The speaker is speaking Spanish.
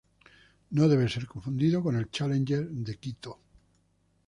No debe ser confundido con el Challenger de Quito.